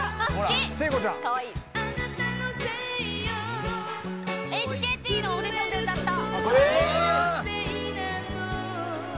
聖子ちゃん」「ＨＫＴのオーディションで歌った」